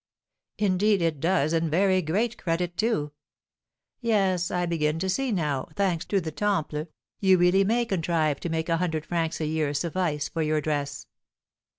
"Indeed, it does, and very great credit, too. Yes, I begin to see now, thanks to the Temple, you really may contrive to make a hundred francs a year suffice for your dress."